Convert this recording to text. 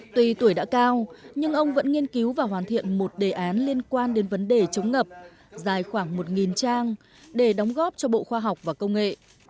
tùy tuổi đã cao nhưng ông vẫn nghiên cứu và hoàn thiện một đề án liên quan đến vấn đề chống ngập dài khoảng một trang để đóng góp cho bộ khoa học và công nghệ